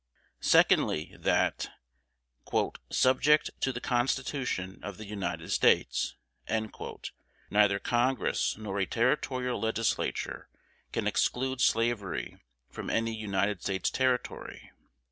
Secondly, That, "subject to the Constitution of the United States," neither Congress nor a Territorial Legislature can exclude slavery from any United States Territory.